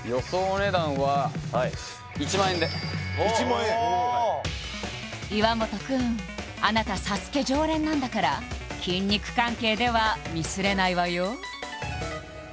値段は１００００円で１００００円岩本くんあなた「ＳＡＳＵＫＥ」常連なんだから筋肉関係ではミスれないわよ